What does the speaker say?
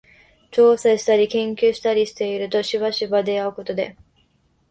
調査したり研究したりしているとしばしば出合うことで、